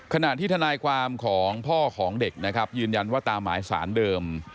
ขณะที่ทนายความของพ่อของเด็กนะครับยืนยันว่าตามหมายสารเดิม